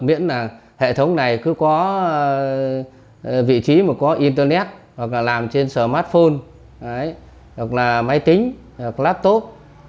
miễn là hệ thống này cứ có vị trí mà có internet hoặc là làm trên smartphone hoặc là máy tính hoặc laptop